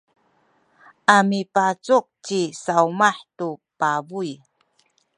a mipacuk ci Sawmah tu pabuy.